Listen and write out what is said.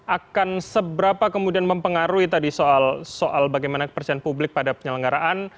akan seberapa kemudian mempengaruhi tadi soal bagaimana kepercayaan publik pada penyelenggaraan